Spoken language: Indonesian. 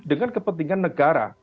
dengan kepentingan negara